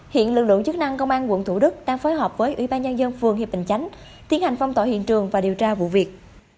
hiện lực lượng chức năng công an quận thủ đức đang phối hợp với ủy ban nhân dân phường hiệp bình chánh tiến hành phong tỏa hiện trường và điều tra vụ việc